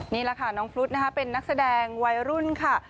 นี่แหละค่ะน้องฟลุ๊กนะคะเป็นนักแสดงวัยรุ่นค่ะ